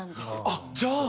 あっじゃあ。